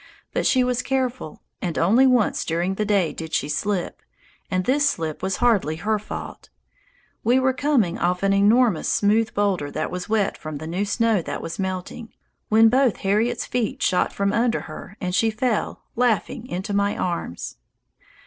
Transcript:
But she was careful, and only once during the day did she slip, and this slip was hardly her fault: we were coming off an enormous smooth boulder that was wet from the new snow that was melting, when both Harriet's feet shot from under her and she fell, laughing, into my arms.